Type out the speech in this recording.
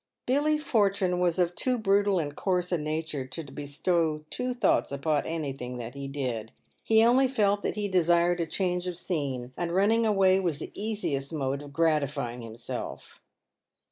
Billy Fortune was of too brutal and coarse a nature to bestow two thoughts upon anything that he did. He only felt that he desired a change of scene, and running away was the easiest mode of gratifying himself.